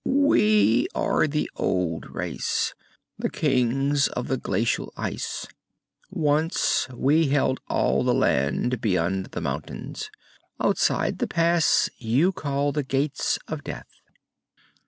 "We are the old race, the kings of the glacial ice. Once we held all the land beyond the mountains, outside the pass you call the Gates of Death."